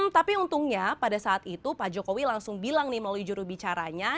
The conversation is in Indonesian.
tapi untungnya pada saat itu pak jokowi langsung bilang nih melalui jurubicaranya